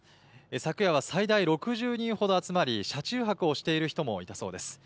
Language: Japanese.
昨夜は最大６０人ほど集まり、車中泊をしている人もいたそうです。